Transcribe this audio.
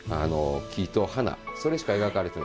木と花それしか描かれてない。